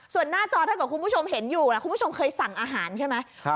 ส่วนหน้าจอถ้าเกิดคุณผู้ชมเห็นอยู่นะคุณผู้ชมเคยสั่งอาหารใช่ไหม